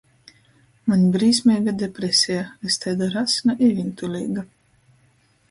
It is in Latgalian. Maņ brīsmeiga depreseja - es taida rasna i vīntuleiga!